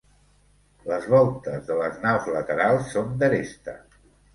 Les voltes de les naus laterals són d'aresta.